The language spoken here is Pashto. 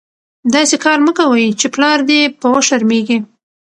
داسي کار مه کوئ، چي پلار دي په وشرمېږي.